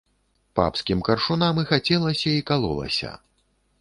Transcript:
Папскім каршунам і хацелася і калолася.